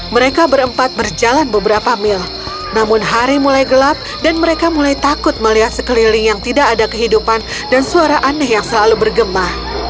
mereka berempat berjalan beberapa mil namun hari mulai gelap dan mereka mulai takut melihat sekeliling yang tidak ada kehidupan dan suara aneh yang selalu bergema